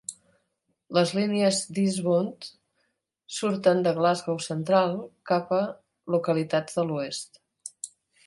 Les línies d'Eastbound surten de Glasgow Central cap a localitats de l'oest.